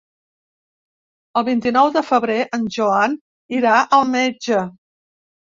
El vint-i-nou de febrer en Joan irà al metge.